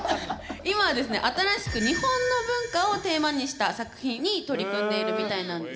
今新しく日本の文化をテーマにした作品に取り組んでいるみたいなんですね。